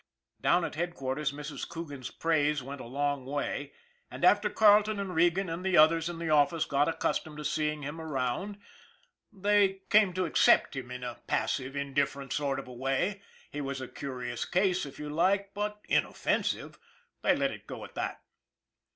Down at headquarters Mrs. Coogan's praise went a long way, and after Carleton and Regan and the others in the office got accustomed to seeing him around they 216 ON THE IRON AT BIG CLOUD came to accept him in a passive, indifferent sort of a way. He was a curious case, if you like, but inoffen sive they let it go at that.